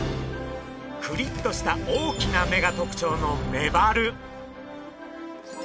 クリッとした大きな目が特徴のメバル。